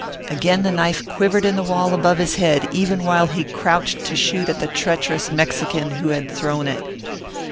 Again the knife quivered in the wall above his head even while he crouched to shoot at the treacherous Mexican who had thrown it.